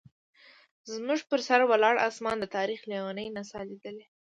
زموږ پر سر ولاړ اسمان د تاریخ لیونۍ نڅا لیدلې.